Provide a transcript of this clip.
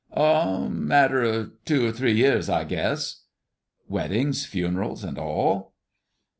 "Oh! a matter o' two or three years, I guess." "Weddings, funerals, and all?"